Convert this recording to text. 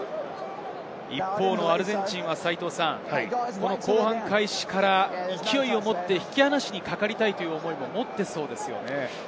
一方のアルゼンチンは後半開始から勢いを持って引き離しにかかりたいという思いも持っていそうですね。